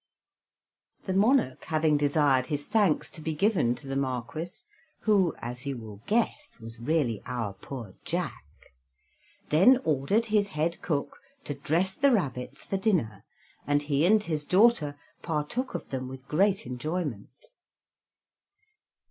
The monarch having desired his thanks to be given to the Marquis (who, as you will guess, was really our poor Jack), then ordered his head cook to dress the rabbits for dinner, and he and his daughter partook of them with great enjoyment.